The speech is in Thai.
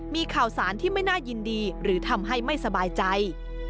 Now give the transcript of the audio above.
มีข่าวสารที่ไม่น่ายินดีหรือทำให้ไม่สบายใจ